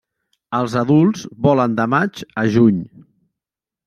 Els adults volen de maig a juny.